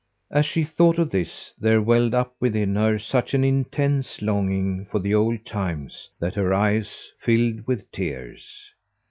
As she thought of this, there welled up within her such an intense longing for the old times that her eyes filled with tears.